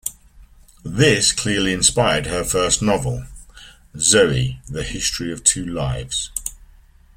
This clearly inspired her first novel, "Zoe: the History of Two Lives".